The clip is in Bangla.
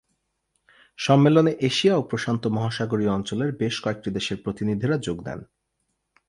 সম্মেলনে এশিয়া ও প্রশান্ত মহাসাগরীয় অঞ্চলের বেশ কয়েকটি দেশের প্রতিনিধিরা যোগ দেন।